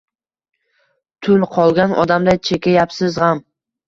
Tul qolgan odamday chekayapsiz g’am